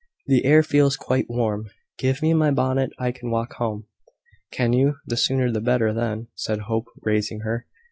"The air feels quite warm. Give me my bonnet. I can walk home." "Can you? The sooner the better, then," said Hope, raising her.